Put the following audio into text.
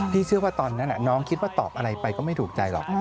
เชื่อว่าตอนนั้นน้องคิดว่าตอบอะไรไปก็ไม่ถูกใจหรอก